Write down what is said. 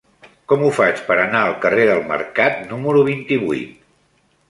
Com ho faig per anar al carrer del Mercat número vint-i-vuit?